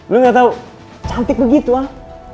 lo gak tau cantik begitu al